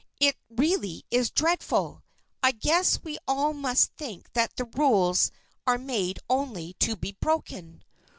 It really is dreadful! I guess we all must think that rules are made only to be broken.